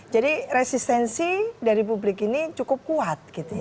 jadi resistensi dari publik ini cukup kuat